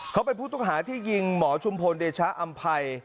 เขาเป็นผู้ต้องหาที่ยิงหมอชุมพลเดชะอำภัย